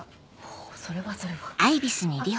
おそれはそれは。